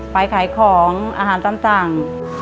ไปขายของอาหารตามสั่ง